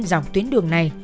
dọc tuyến đường này